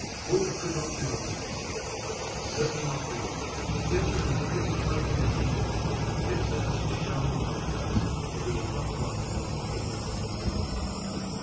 Wulf could not deny this. "Certainly not, Beorn; still it is a pity to make an enemy, and Fitz Urse has shown in my case that he is not one who forgives."